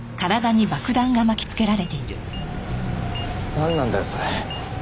なんなんだよそれ。